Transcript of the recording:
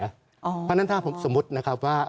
เพราะฉะนั้นถ้าผมสมมุตินะครับว่า